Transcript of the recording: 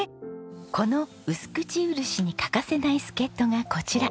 このうすくちうるしに欠かせない助っ人がこちら。